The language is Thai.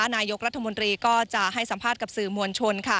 นายกรัฐมนตรีก็จะให้สัมภาษณ์กับสื่อมวลชน